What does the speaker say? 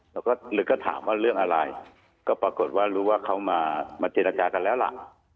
เราก็ถามว่าเรื่องอะไรก็ปรากฏว่ารู้ว่าเขามาเจรจากันแล้วล่ะ